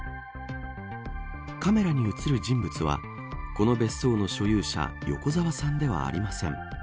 カメラに映る人物はこの別荘の所有者横澤さんではありません。